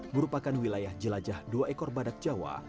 merupakan wilayah jelajah dua ekor badak jawa